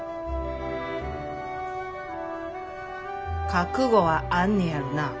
覚悟はあんねやろな。